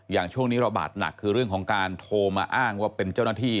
ช่วงนี้ระบาดหนักคือเรื่องของการโทรมาอ้างว่าเป็นเจ้าหน้าที่